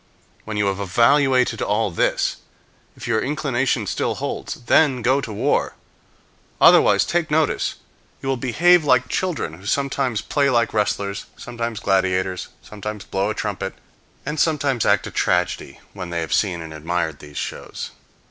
When you have evaluated all this, if your inclination still holds, then go to war. Otherwise, take notice, you will behave like children who sometimes play like wrestlers, sometimes gladiators, sometimes blow a trumpet, and sometimes act a tragedy when they have seen and admired these shows.